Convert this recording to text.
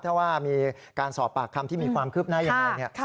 ถ้าว่ามีการสอบปากคำที่มีความคืบหน้ายังไง